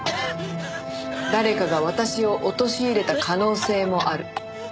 誰かが私を陥れた可能性もある。